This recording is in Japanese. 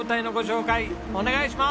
お願いします。